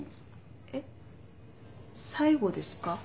えっ最後ですか？